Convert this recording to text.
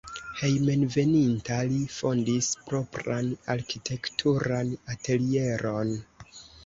Hejmenveninta li fondis propran arkitekturan atelieron.